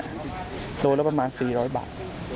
โลละประมาณ๔๐๐บาท